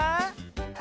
はい。